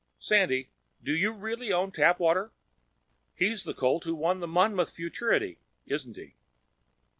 Sandy, do you really own Tapwater? He's the colt who won the Monmouth Futurity, isn't he?"